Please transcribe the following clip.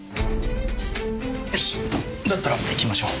よしだったら行きましょう。